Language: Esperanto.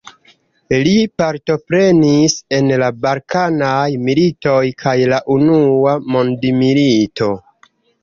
Li partoprenis en la Balkanaj militoj kaj la Unua Mondmilito.